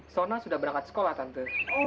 sona sudah berangkat sekolah tentu